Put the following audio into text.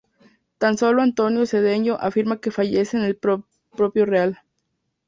Tan sólo Antonio Sedeño afirma que fallece en el propio Real.